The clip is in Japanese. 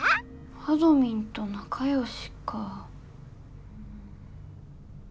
あどミンとなかよしか。